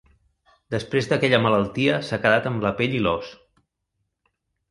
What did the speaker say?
Després d'aquella malaltia s'ha quedat amb la pell i l'os.